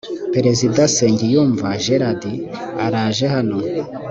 president nsengiyumva gerald araje hano